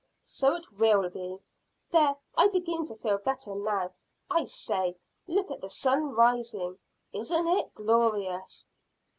"So it will be. There, I begin to feel better now. I say, look at the sun rising isn't it glorious!"